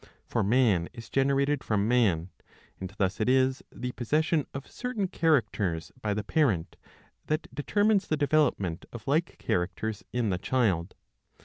For man is generated from man ; and thus it is the possession of certain characters by the parent that determines the development of like characters in the child.